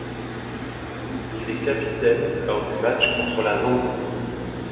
Il est capitaine lors du match contre la Zambie.